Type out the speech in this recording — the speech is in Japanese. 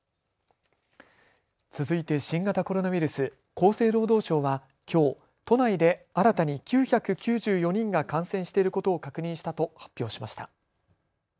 続いて新型コロナウイルス、厚生労働省はきょう都内で新たに９９４人が感染していることを確認したと発表しました。